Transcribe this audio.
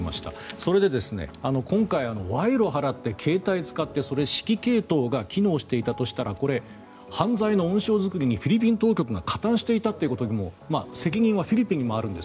それで今回、賄賂を払って携帯を使って指揮系統が機能していたとしたらこれは犯罪の温床作りにフィリピン当局が加担していたということにも責任はフィリピンにもあるんです。